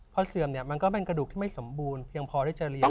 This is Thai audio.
พอเสื่อมเนี่ยมันก็เป็นกระดูกที่ไม่สมบูรณ์เพียงพอที่จะเลี้ย